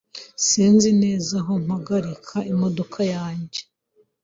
Sinzi neza aho mpagarika imodoka yanjye.